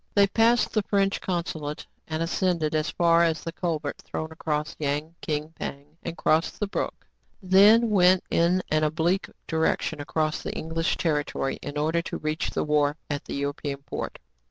They passed the French consulate, and as cended as far as the culvert thrown across Yang King Pang, and crossed the hrpok ; thei^ went in 34 TRIBULATIONS OF A CHINAMAN. an oblique direction across the English territory, in order to reach the wharf at the European port.